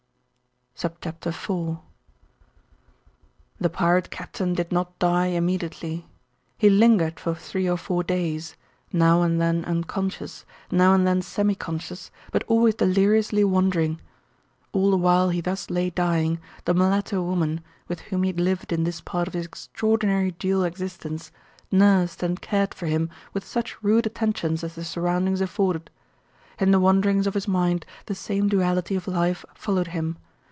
IV The pirate captain did not die immediately. He lingered for three or four days, now and then unconscious, now and then semi conscious, but always deliriously wandering. All the while he thus lay dying, the mulatto woman, with whom he lived in this part of his extraordinary dual existence, nursed and cared for him with such rude attentions as the surroundings afforded. In the wanderings of his mind the same duality of life followed him.